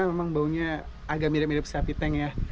memang baunya agak mirip mirip sapi tank ya